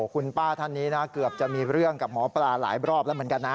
คุณป้าท่านนี้นะเกือบจะมีเรื่องกับหมอปลาหลายรอบแล้วเหมือนกันนะ